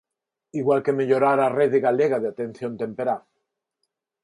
Igual que mellorar a rede galega de atención temperá.